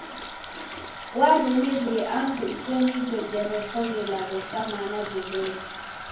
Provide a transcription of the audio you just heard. Warumirie angu ijo nijo jerekoghe ilagho ja mana jebonya.